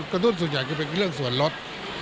นุ่นส่วนใหญ่จะเป็นเรื่องส่วนลด